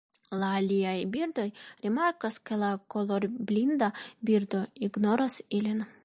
La aliaj birdoj rimarkas ke la kolorblinda birdo ignoras ilin.